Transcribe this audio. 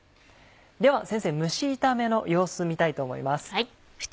では先生蒸し炒めの様子見たいと思います。